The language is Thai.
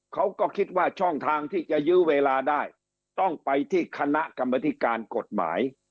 เขาก็คิดว่าช่องทางที่จะยื้อเวลาได้ต้องไปที่คณะกรรมธิการกฎหมาย